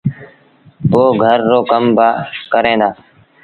پو گھر رو ڪم با ڪريݩ دآ۔